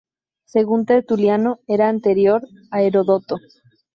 Según Tertuliano, era anterior a Heródoto.